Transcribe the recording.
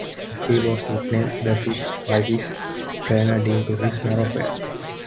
He was nicknamed "The Fish" by his trainer due to his narrow frame.